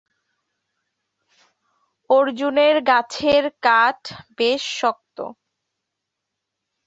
অর্জুনের গাছের কাঠ বেশ শক্ত।